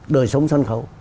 đời sống sân khấu